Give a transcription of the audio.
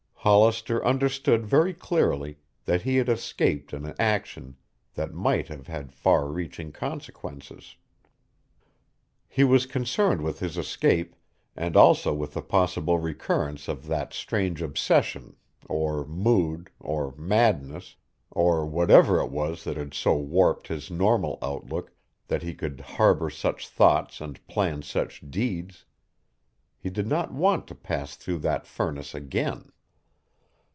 Hollister understood very clearly that he had escaped an action that might have had far reaching consequences. He was concerned with his escape and also with the possible recurrence of that strange obsession, or mood, or madness, or whatever it was that had so warped his normal outlook that he could harbor such thoughts and plan such deeds. He did not want to pass through that furnace again.